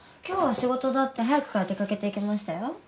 今日は仕事だって早くから出掛けていきましたよ。